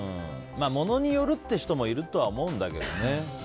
ものによるって人もいるとは思うんだけどね。